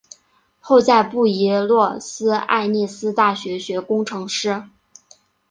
后在布宜诺斯艾利斯大学学工程师。